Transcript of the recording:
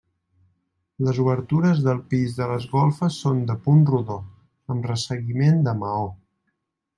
Les obertures del pis de les golfes són de punt rodó, amb resseguiment de maó.